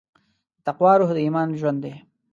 د تقوی روح د ایمان ژوند دی.